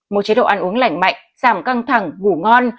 một chế độ ăn uống lành mạnh giảm căng thẳng ngủ ngon